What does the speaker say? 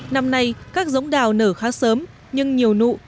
năm nay các giống đào nở khá sớm nhưng nhiều nụ